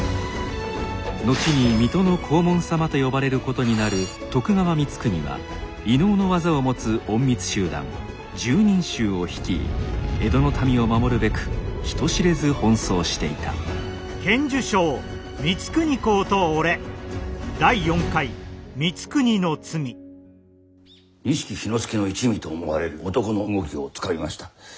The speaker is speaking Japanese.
後に水戸の黄門様と呼ばれることになる徳川光圀は異能の技を持つ隠密集団拾人衆を率い江戸の民を守るべく人知れず奔走していた錦氷ノ介の一味と思われる男の動きをつかみました。